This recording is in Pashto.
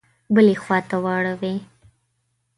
بلي خواته واړوي.